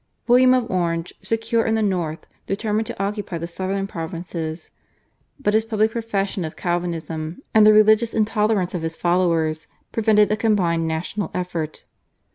William of Orange, secure in the north, determined to occupy the southern provinces, but his public profession of Calvinism and the religious intolerance of his followers prevented a combined national effort.